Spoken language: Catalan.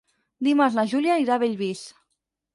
Dimarts na Júlia irà a Bellvís.